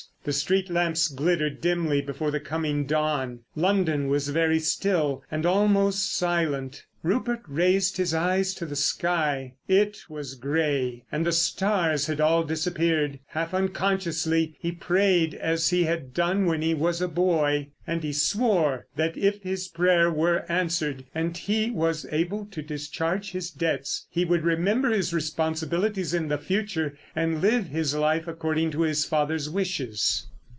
The street lamps glittered dimly before the coming dawn. London was very still, and almost silent. Rupert raised his eyes to the sky. It was grey and the stars had all disappeared; half unconsciously he prayed as he had done when he was a boy. And he swore that if his prayer were answered and he was able to discharge his debts, he would remember his responsibilities in the future, and live his life according to his father's wishes.